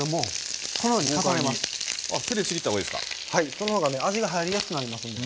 その方がね味が入りやすくなりますんで。